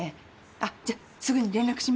あっじゃすぐに連絡します。